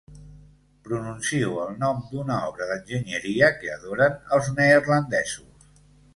Pronuncio el nom d'una obra d'enginyeria que adoren els neerlandesos.